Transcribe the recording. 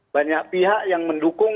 banyak pihak yang mendukung